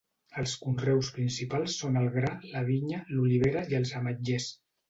Els conreus principals són el gra, la vinya, l'olivera i els ametllers.